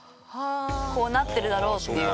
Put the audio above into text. こうなってるだろうっていう。